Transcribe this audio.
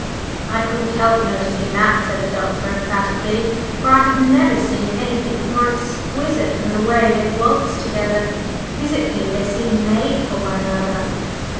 "I couldn't help noticing that," said the Doctor, emphatically, "for I have never seen anything more exquisite than the way they waltz together. Physically, they seem made for one another."